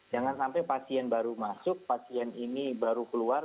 jangan sampai pasien baru masuk pasien ini baru keluar